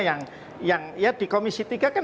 yang ya di komisi tiga kan